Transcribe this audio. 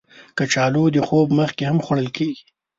کچالو د خوب مخکې هم خوړل کېږي